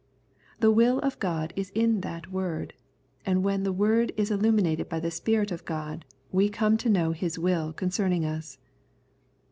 The will of God is in that Word, and when the Word is illuminated by the Spirit of God we come to know His will concerning us.